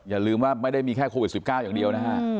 อย่าลืมว่าไม่ได้มีแค่โควิด๑๙อย่างเดียวนะฮะ